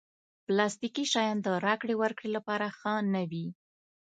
پلاستيکي شیان د راکړې ورکړې لپاره ښه نه وي.